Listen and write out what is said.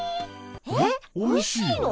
えっおいしいの？